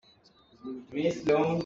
Zei can dah atu na rian hi na ttuan cang?